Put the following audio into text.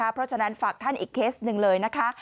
เพราะฉะนั้นฝากท่านอีกเคสหนึ่งเลยนะคะ